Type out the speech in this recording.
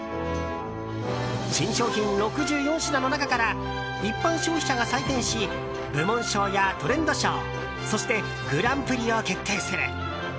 新商品６４品の中から一般消費者が採点し部門賞やトレンド賞そしてグランプリを決定する。